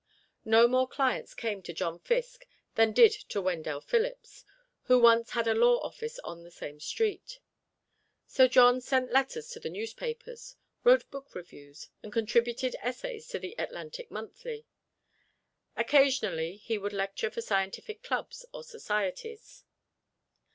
No more clients came to John Fiske than did to Wendell Phillips, who once had a law office on the same street. So John sent letters to the newspapers, wrote book reviews, and contributed essays to the "Atlantic Monthly." Occasionally, he would lecture for scientific clubs or societies.